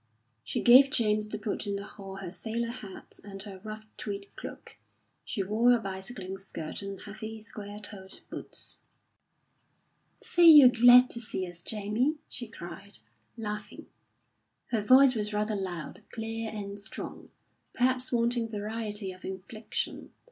She gave James to put in the hall her sailor hat and her rough tweed cloak. She wore a bicycling skirt and heavy, square toed boots. "Say you're glad to see us, Jamie!" she cried, laughing. Her voice was rather loud, clear and strong, perhaps wanting variety of inflection.